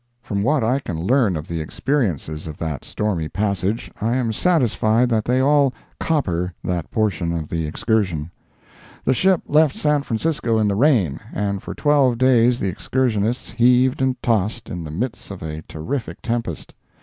From what I can learn of the experiences of that stormy passage, I am satisfied that they all "copper" that portion of the excursion. The ship left San Francisco in the rain, and for twelve days the excursionists heaved and tossed in the midst of a terrific tempest.